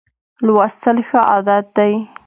لوستل ښه عادت دی.